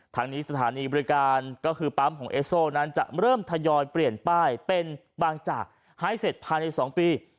ทางนี้สถานีบริการก็คือปั๊มของเอสโซนั้นจะเริ่มทยอยเปลี่ยนป้ายเป็นบางจากให้เสร็จภายใน๒ปี